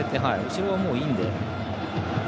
後ろはもういいので。